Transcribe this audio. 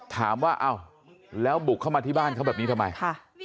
ถามว่าอ้าวแล้วบุกเข้ามาที่บ้านเขาแบบนี้ทำไมค่ะ